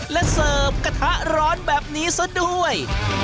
และเสิร์ฟกระทะร้อนแบบนี้ซะด้วย